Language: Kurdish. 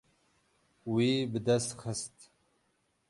Wî bi dest xist.